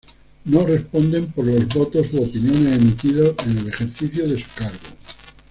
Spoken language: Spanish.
No responden por los votos u opiniones emitidas en el ejercicio de su cargo.